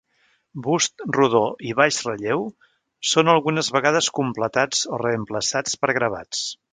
Bust rodó i baix relleu són algunes vegades completats o reemplaçats per gravats.